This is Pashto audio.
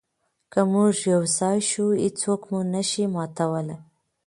که موږ یو ځای شو، هیڅوک مو نه شي ماتولی.